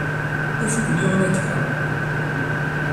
D acu i ken-yuɣen akka?